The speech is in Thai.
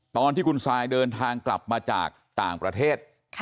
ตอนที่คุณซายเดินทางกลับมาจากต่างประเทศ